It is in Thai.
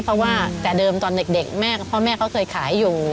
เพราะว่าแต่เดิมตอนเด็กแม่กับพ่อแม่เขาเคยขายอยู่